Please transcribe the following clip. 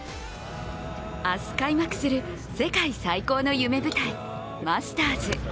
明日開幕する世界最高の夢舞台・マスターズ。